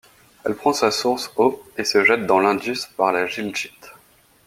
Elle prend sa source au et se jette dans l'Indus par la Gilgit.